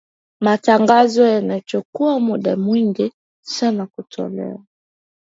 matangazo yanachukua muda mwingi sana kutolewa